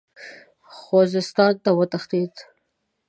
خوزستان ته وتښتېد.